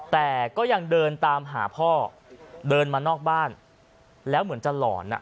แต่ก็ยังเดินตามหาพ่อเดินมานอกบ้านแล้วเหมือนจะหลอนอ่ะ